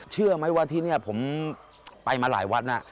เชื่อไหมว่าที่นี่ผมไปมาหลายวัดนะ